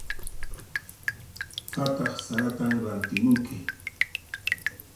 Phataq saratan rantimunki.